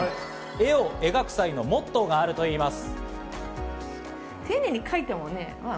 絵を描く際のモットーがあるといいます。